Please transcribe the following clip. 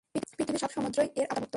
পৃথিবীর সব সমুদ্রই এর আওতাভুক্ত।